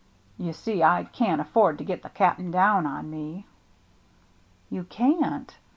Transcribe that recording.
"You see, I can't afford to get the Cap'n down on me." "You can't?